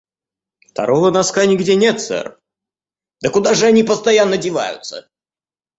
«Второго носка нигде нет, сэр». — «Да куда же они постоянно деваются?»